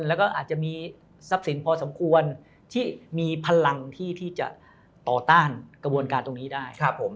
แล้วก็อาจจะมีทรัพย์สินพอสมควรที่มีพลังที่จะต่อต้านกระบวนการตรงนี้ได้ครับผม